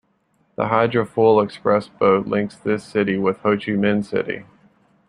The hydrofoil express boat links this city with Ho Chi Minh City.